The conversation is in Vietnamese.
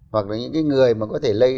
hoặc là những cái người mà có thể lây